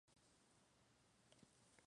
Además esta fiesta ronda en Petróleos.